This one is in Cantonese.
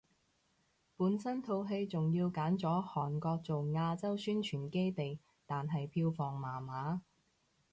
本身套戲仲要揀咗韓國做亞洲宣傳基地，但係票房麻麻